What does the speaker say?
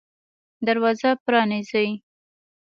دروازه پرانیزئ